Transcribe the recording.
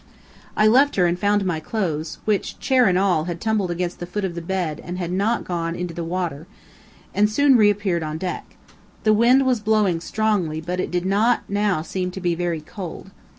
I left her and found my clothes (which, chair and all, had tumbled against the foot of the bed and so had not gone into the water), and soon reappeared on deck. The wind was blowing strongly, but it did not now seem to be very cold.